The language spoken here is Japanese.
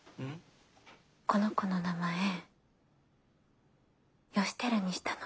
この子の名前義輝にしたの。